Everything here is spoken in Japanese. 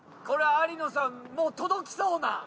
これありのさん届きそうな。